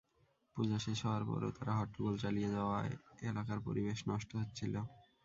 পূজা শেষ হওয়ার পরও তারা হট্টগোল চালিয়ে যাওয়ায় এলাকার পরিবেশ নষ্ট হচ্ছিল।